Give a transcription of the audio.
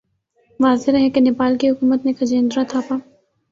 واضح رہے کہ نیپال کی حکومت نے کھجیندرا تھاپا